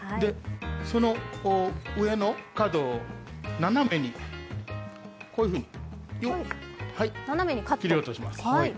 その上の角を斜めに、こういうふうに切り落とします。